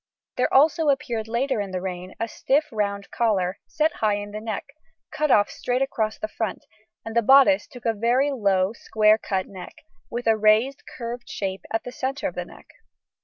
There also appeared, later in the reign, a stiff round collar, set high in the neck, cut off straight across the front, and the bodice took a very low square cut neck, with a raised curved shape at the centre of neck.